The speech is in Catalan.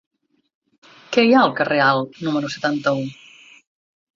Què hi ha al carrer Alt número setanta-u?